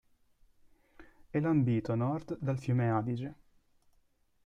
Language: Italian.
È lambito a nord dal fiume Adige.